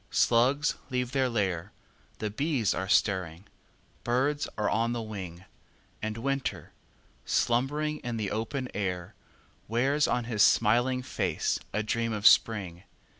Slugs leave their lair— The bees are stirring—birds are on the wing— And Winter, slumbering in the open air, Wears on his smiling face a dream of Spring!